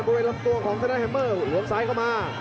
บริเวณลำตัวของธนาแฮมเมอร์หลวมซ้ายเข้ามา